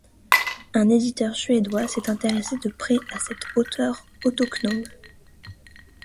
Un éditeur suédois s'est intéressé de près à cette auteure autochtone.